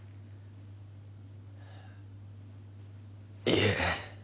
いいえ。